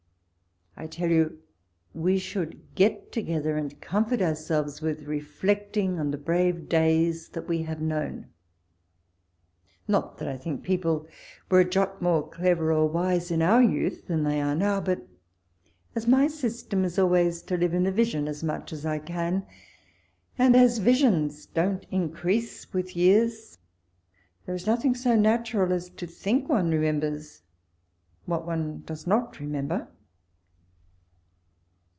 I tell you we should get together, and comfort our selves with reflecting on the brave days that we have known — not that I think people were a jot walpole's letters. 133 more clever or wise in our youth thnn they are now ; but as my system is always to live in a vision as much as I can, and as visions don't increase with years, there is nothing so natural as to think one remembers what one does not remember.